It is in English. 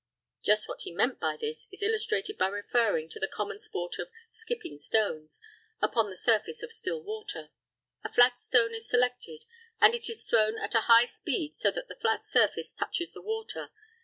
Just what he meant by this may be illustrated by referring to the common sport of "skipping stones" upon the surface of still water. A flat stone is selected, and it is thrown at a high speed so that the flat surface touches the water.